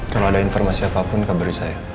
kalau ada informasi apapun kabar di saya